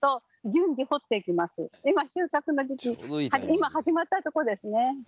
今始まったとこですね。